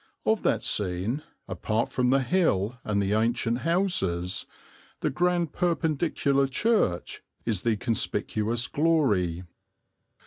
Of that scene, apart from the hill and the ancient houses, the grand Perpendicular church is the conspicuous glory.